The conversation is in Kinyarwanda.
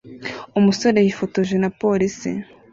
Umusore yifotoje na police